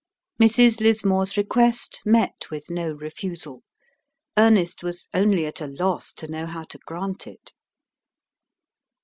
Mrs. Lismore's request met with no refusal. Ernest was only at a loss to know how to grant it.